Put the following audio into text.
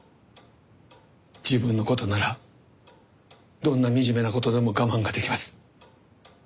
自分の事ならどんな惨めな事でも我慢ができます。